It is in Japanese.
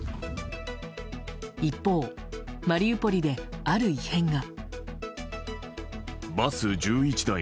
一方、マリウポリである異変が。